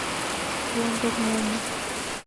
Wonder Momo